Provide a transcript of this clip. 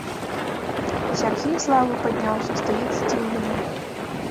Сяргей з лавы падняўся, стаіць здзіўлены.